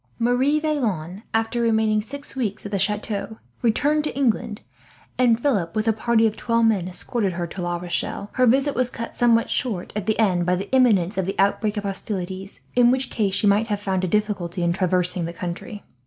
Marie Vaillant, after remaining six weeks at the chateau, returned to England; and Philip, with a party of twelve men, escorted her to La Rochelle. Her visit was cut short somewhat, at the end, by the imminence of the outbreak of hostilities, in which case she might have found a difficulty in traversing the country.